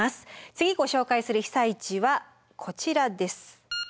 次ご紹介する被災地はこちらです。